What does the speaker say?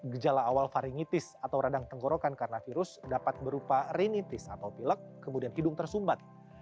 gejala awal varingitis atau radang tenggorokan karena virus dapat berupa rinitis atau pilek kemudian hidung tersumbat